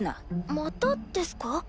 またですか？